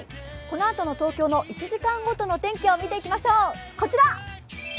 このあとの東京の１時間ごとの天気を見ていきましょう、こちら！